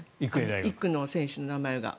１区の選手の名前が。